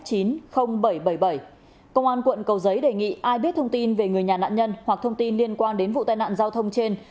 công an quận cầu giấy đề nghị ai biết thông tin về người nhà nạn nhân hoặc thông tin liên quan đến vụ tai nạn giao thông trên